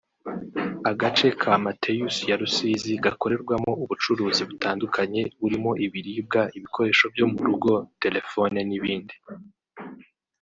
Agace ka Matheus ya Rusizi gakorerwamo ubucuruzi butandukanye burimo ibiribwa ibikoresho byo mu rugo telefone n’ibindi